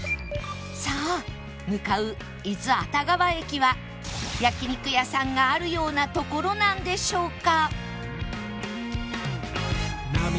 さあ向かう伊豆熱川駅は焼肉屋さんがあるような所なんでしょうか？